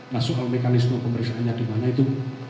nah soal mekanisme pemeriksaannya dimana itu